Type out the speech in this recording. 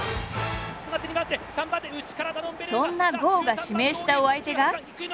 そんな郷が指名したお相手が。